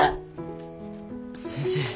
先生。